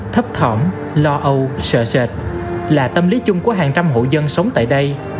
thấp thỏm lo âu sợ sệt là tâm lý chung của hàng trăm hộ dân sống tại đây